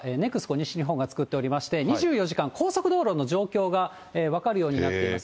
西日本が作っておりまして、２４時間高速道路の状況が分かるようになっています。